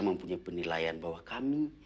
mempunyai penilaian bahwa kami